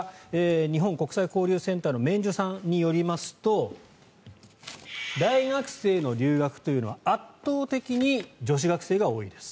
日本国際交流センターの毛受さんによりますと大学生の留学というのは圧倒的に女子学生が多いです。